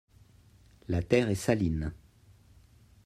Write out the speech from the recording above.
La terre est saline.